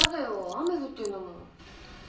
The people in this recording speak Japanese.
雨降ってんだもん。